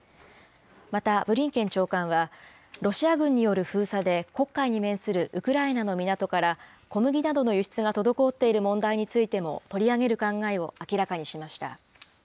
また、ブリンケン長官は、ロシア軍による封鎖で、黒海に面するウクライナの港から小麦などの輸出が滞っている問題についても、取り上げる考えを明らかにしました。